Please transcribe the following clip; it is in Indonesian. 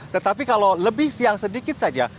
tetapi kalau lebih siang sedikit saja